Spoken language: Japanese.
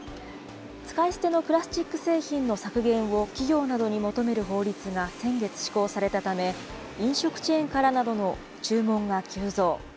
使い捨てのプラスチック製品の削減を企業などに求める法律が先月施行されたため、飲食チェーンからなどの注文が急増。